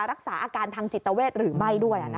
อาการทางจิตเวทย์หรือไม่ด้วย